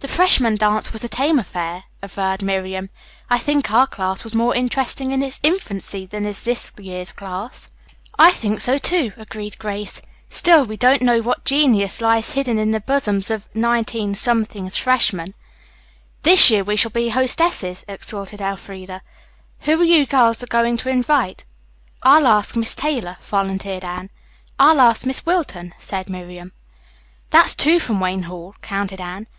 "The freshman dance was a tame affair," averred Miriam. "I think our class was more interesting in its infancy than is this year's class." "I think so, too," agreed Grace. "Still, we don't know what genius lies hidden in the bosoms of 19 's freshmen." "This year we shall be the hostesses," exulted Elfreda. "Who are you girls going to invite?" "I'll ask Miss Taylor," volunteered Anne. "I'll ask Miss Wilton," said Miriam. "That's two from Wayne Hall," counted Anne.